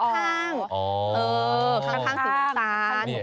ข้างสูงสาน